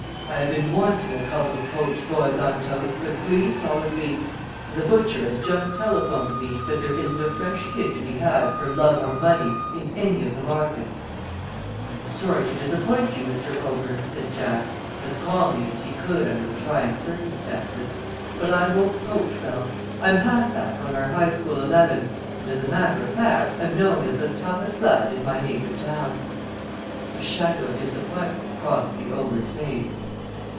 I have been wanting a couple of poached boys on toast for three solid weeks, and the butcher has just telephoned me that there isn't a fresh kid to be had for love or money in any of the markets." "I am sorry to disappoint you, Mr. Ogre," said Jack, as calmly as he could under the trying circumstances, "but I won't poach well. I'm half back on our high school eleven, and, as a matter of fact, am known as the toughest lad in my native town." A shadow of disappointment crossed the ogre's face.